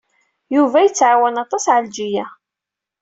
Yuba yettɛawan aṭas Ɛelǧiya.